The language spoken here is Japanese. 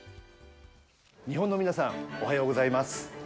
日本の皆さん、おはようございます。